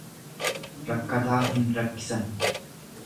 Rakkataa hin rakkisan.